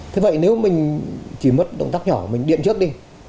thế vậy nếu mình chỉ mất động tác nhỏ mình điện trước đi